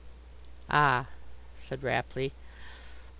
"Ah!" said Rapley.